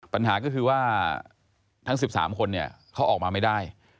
ปัญหาก็คือว่าทั้ง๑๓คนเนี่ยเขาออกมาไม่ได้